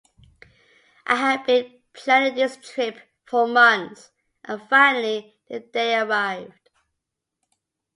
I had been planning this trip for months and finally, the day arrived.